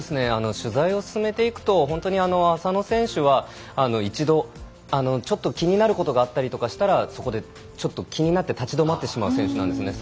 取材を進めていくと浅野選手は一度気になることがあったりしたらそこでちょっと気になって立ちどまってしまう選手です。